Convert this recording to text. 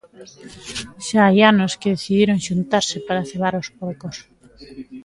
Xa hai anos que decidiron xuntarse para cebar os porcos.